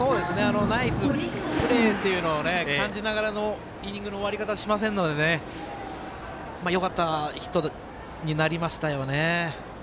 ナイスプレーっていうのを感じながらのイニングの終わり方はしませんのでよかったヒットになりましたよね。